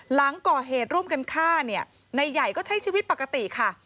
หลังก่อเหตุร่วมกันฆ่าเนี่ยนายใหญ่ก็ใช้ชีวิตปกติค่ะ